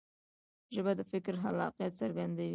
ژبه د فکر خلاقیت څرګندوي.